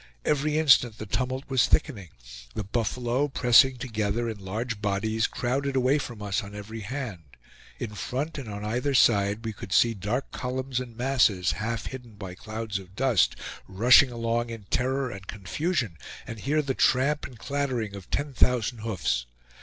Every instant the tumult was thickening. The buffalo, pressing together in large bodies, crowded away from us on every hand. In front and on either side we could see dark columns and masses, half hidden by clouds of dust, rushing along in terror and confusion, and hear the tramp and clattering of ten thousand hoofs.